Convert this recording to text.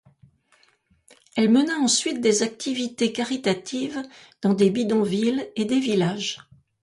Elle mena ensuite des activités caritatives dans des bidonvilles et des villages.